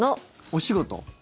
お仕事？